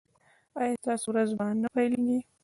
ایا ستاسو ورځ به نه پیلیږي؟